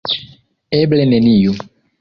Eble neniu.